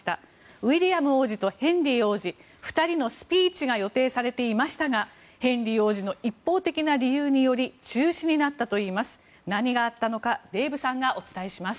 ウィリアム王子とヘンリー王子２人のスピーチが予定されていましたがヘンリー王子の一方的な理由により中止になったといいます。